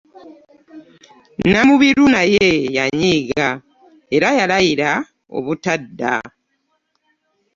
Namubiru naye yanyiiga era yalayira obutadda.